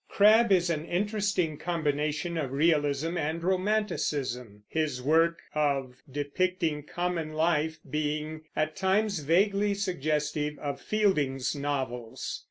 Crabbe is an interesting combination of realism and romanticism, his work of depicting common life being, at times, vaguely suggestive of Fielding's novels.